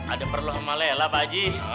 ada perlu sama lela pak haji